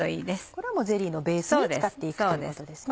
これはゼリーのベースに使って行くということですね。